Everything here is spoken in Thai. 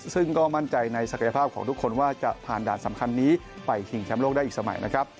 ซึ่งก็มั่นใจในศักยภาพของทุกคนว่าจะผ่านด่านสำคัญนี้ไปชิงแชมป์โลกได้อีกสมัยนะครับ